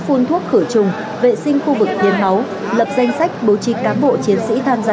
phun thuốc khử trùng vệ sinh khu vực hiến máu lập danh sách bố trí cán bộ chiến sĩ tham gia